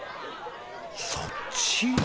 そっち。